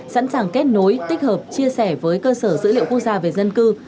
sẵn sàng kết nối tích hợp chia sẻ với cơ sở dữ liệu quốc gia về dân cư